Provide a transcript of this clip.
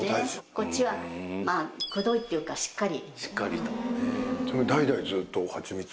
こっちはくどいっていうかしっかり。